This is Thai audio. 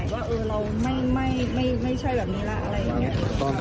ว่าเราไม่ใช่แบบนี้แล้วอะไรอย่างนี้